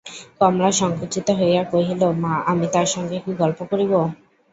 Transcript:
কমলা সংকুচিত হইয়া কহিল, মা, আমি তাঁর সঙ্গে কী গল্প করিব!